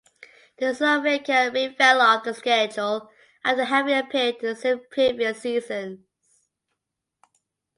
The Slovakia Ring fell off the schedule after having appeared in several previous seasons.